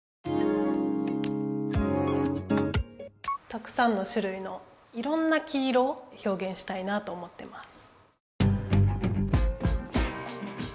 たくさんのしゅるいのいろんな黄色ひょうげんしたいなと思ってます。